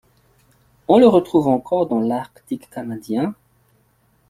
On le retrouve encore dans l'Arctique canadien.